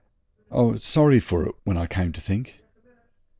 I was sorry for it when I came to think.